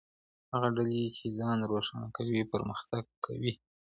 هغه ډلې چې ځان روښانه کوي پرمختګ کوي.